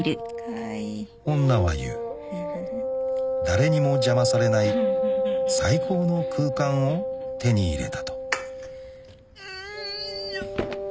［誰にも邪魔されない最高の空間を手に入れたと］んっしょ。